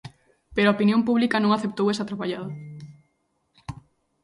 Pero a opinión pública non aceptou esa trapallada.